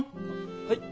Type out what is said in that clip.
はい。